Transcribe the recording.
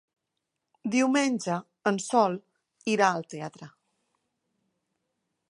Diumenge en Sol irà al teatre.